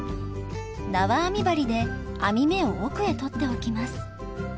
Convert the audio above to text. なわ編み針で編み目を奥へ取っておきます。